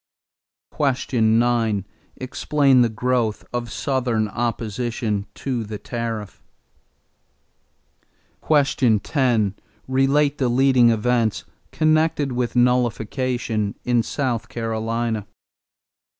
9. Explain the growth of Southern opposition to the tariff. 10. Relate the leading events connected with nullification in South Carolina.